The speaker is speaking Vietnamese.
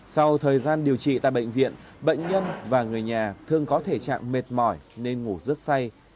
sau thời gian điều trị tại bệnh viện bệnh nhân và người nhà thường có thể trạng mệt mỏi nên ngủ rất say